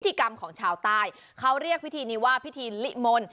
กรรมของชาวใต้เขาเรียกพิธีนี้ว่าพิธีลิมนต์